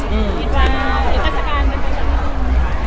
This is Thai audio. มีร้านมีธรรมการคุยกันไหม